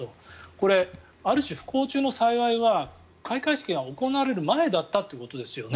これ、ある種、不幸中の幸いは開会式が行われる前だったということですよね。